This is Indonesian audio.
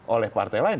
oleh partai lain